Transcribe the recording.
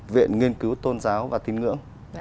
viện nghiên cứu tôn giáo và tin ngưỡng